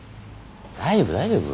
大丈夫大丈夫。